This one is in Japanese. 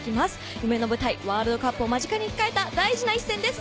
夢の舞台ワールドカップを間近に控えた重要な一戦です。